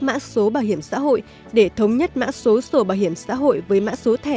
mã số bảo hiểm xã hội để thống nhất mã số sổ bảo hiểm xã hội với mã số thẻ